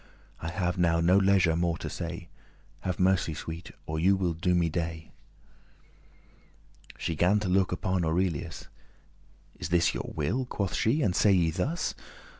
I have now no leisure more to say: Have mercy, sweet, or you will *do me dey."* *cause me to die* She gan to look upon Aurelius; "Is this your will," quoth she, "and say ye thus?